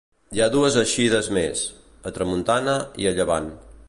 Hi ha dues eixides més: a tramuntana i a llevant.